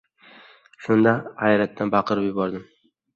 Shunda hayratdan baqirib yubordim: